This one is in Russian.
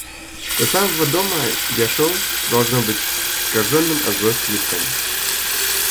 До самого дома я шел, должно быть, с искаженным от злости лицом.